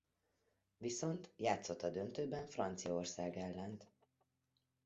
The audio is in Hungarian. Viszont játszott a döntőben Franciaország ellen.